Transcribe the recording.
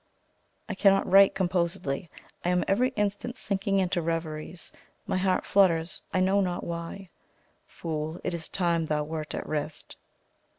I cannot write composedly I am every instant sinking into reveries my heart flutters, I know not why. Fool! It is time thou wert at rest.